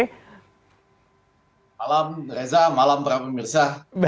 selamat malam reza malam para pemirsa